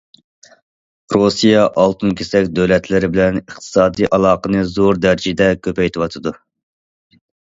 رۇسىيە ئالتۇن كېسەك دۆلەتلىرى بىلەن ئىقتىسادى ئالاقىنى زور دەرىجىدە كۆپەيتىۋاتىدۇ.